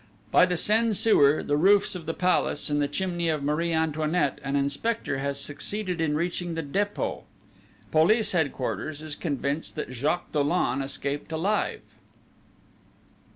_ _By the Seine sewer, the roofs of the Palace, and the chimney of Marie Antoinette, an inspector has succeeded in reaching the Dépôt._ _Police Headquarters is convinced that Jacques Dollon escaped alive!